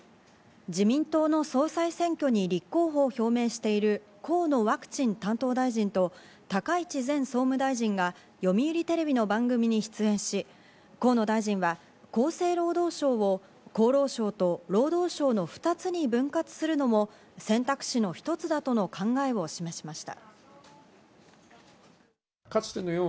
自民党の総裁選挙に立候補を表明している河野ワクチン担当大臣と高市前総務大臣が読売テレビの番組に出演し、河野大臣は厚生労働省を厚生省と労働省の２つに分割するのも選択肢の一つだとの考えを示しました。